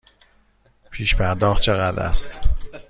پیش پرداخت چقدر است؟